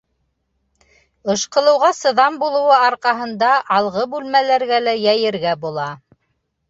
Ышҡылыуға сыҙам булыуы арҡаһында алғы бүлмәләргә лә йәйергә була.